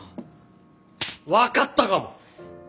わかったかも！